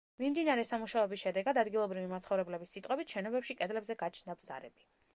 მიმდინარე სამუშაოების შედეგად, ადგილობრივი მაცხოვრებლების სიტყვებით, შენობებში კედლებზე გაჩნდა ბზარები.